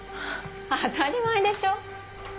当たり前でしょ？